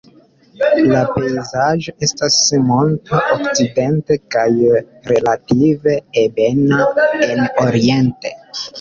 La pejzaĝo estas monta okcidente kaj relative ebena en oriente.